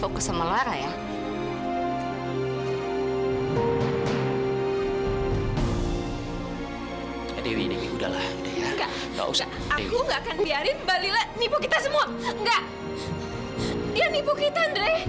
enggak dia ibu kita andre